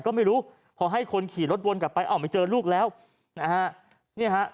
ก็ไม่รู้พอให้คนขี่รถวนกลับไปอ้าวไม่เจอลูกแล้วนะฮะเนี่ยฮะ